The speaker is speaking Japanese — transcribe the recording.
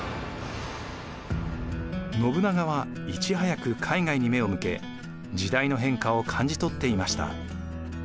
信長はいち早く海外に目を向け時代の変化を感じ取っていました。